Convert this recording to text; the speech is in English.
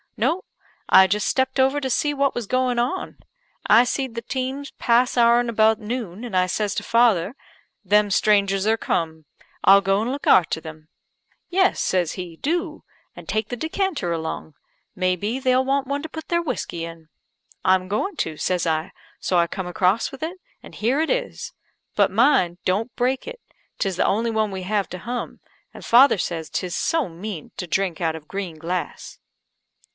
No; I just stepped over to see what was going on. I seed the teams pass our'n about noon, and I says to father, 'Them strangers are cum; I'll go and look arter them.' 'Yes,' says he, 'do and take the decanter along. May be they'll want one to put their whiskey in.' 'I'm goin to,' says I; so I cum across with it, an' here it is. But, mind don't break it 'tis the only one we have to hum; and father says 'tis so mean to drink out of green glass."